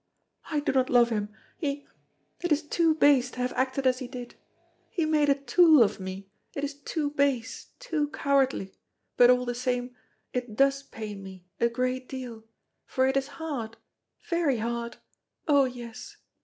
I do not love him he it is too base to have acted as he did. He made a tool of me it is too base too cowardly but, all the same, it does pain me a great deal for it is hard very hard oh! yes.